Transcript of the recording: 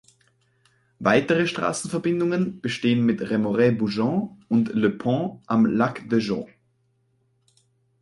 Weitere Straßenverbindungen bestehen mit Remoray-Boujeons und Le Pont am Lac de Joux.